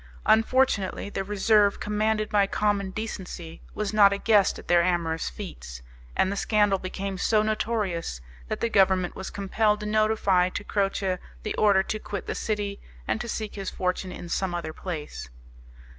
Unfortunately the reserve commanded by common decency was not a guest at their amorous feats, and the scandal became so notorious that the Government was compelled to notify to Croce the order to quit the city, and to seek his fortune in some other place.